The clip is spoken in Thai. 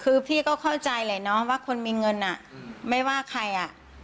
คือพี่ก็เข้าใจแหละเนาะว่าคนมีเงินไม่ว่าใครอ่ะ